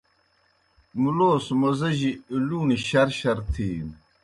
مُلوس موزِجیْ لُوݨیْ شرشر تِھینوْ۔